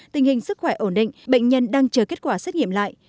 tình hình sức khỏe ổn định bệnh nhân đang chờ kết quả xét nghiệm lại